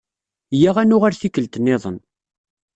Iya ad nuɣal tikelt-nniḍen.